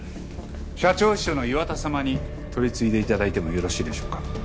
社長秘書の岩田様に取り次いで頂いてもよろしいでしょうか？